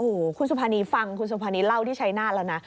โอ้โหคุณสุภานีฟังคุณสุภานีเล่าที่ชัยนาธแล้วนะ